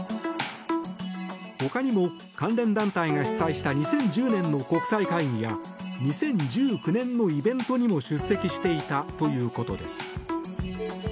ほかにも、関連団体が主催した２０１０年の国際会議や２０１９年のイベントにも出席していたということです。